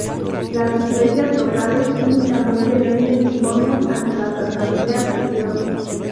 Las iglesias locales únicamente rinden informes ante las Asambleas de Dios.